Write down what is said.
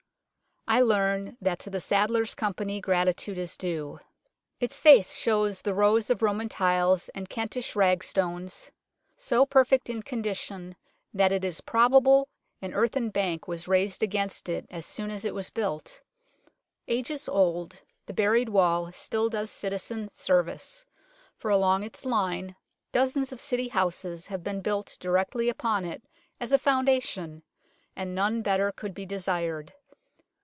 I learn that to the Sadlers Company gratitude is due. Its face 34 UNKNOWN LONDON shows the rows of Roman tiles and Kentish rag stones, so perfect in condition that it is probable an earthen bank was raised against it as soon as it was built. Ages old, the buried wall still does citizen service, for along its line dozens of City houses have been built directly upon it as a foundation and none better could be desired.